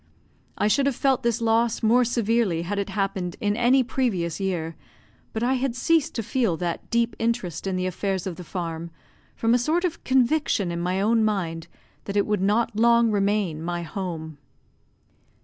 I should have felt this loss more severely had it happened in any previous year; but I had ceased to feel that deep interest in the affairs of the farm, from a sort of conviction in my own mind that it would not long remain my home.